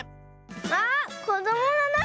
あっこどものな